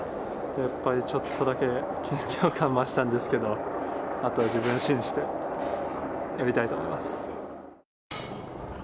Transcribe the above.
やっぱりちょっとだけ、緊張感増したんですけど、あとは自分を信じてやりたいと思います。